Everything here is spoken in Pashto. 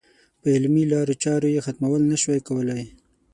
په علمي لارو چارو یې ختمول نه شوای کولای.